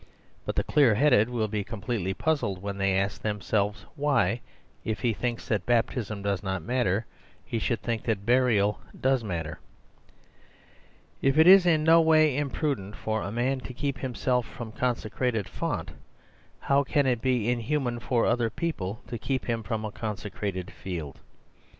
But the clear headed will be completely puzzled when they ask themselves why, if he thinks that baptism does not matter, he should think that burial does matter. If it is in no way im prudent for a man to keep himself from a con secrated font, how can it be inhuman for other people to keep him from a consecrated field?